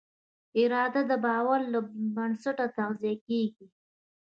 اراده د باور له بنسټه تغذیه کېږي.